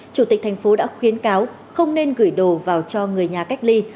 chủ tịch thành phố đã khuyến cáo không nên gửi đồ vào cho người nhà cách ly